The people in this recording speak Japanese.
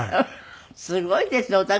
すごいですねお宅は。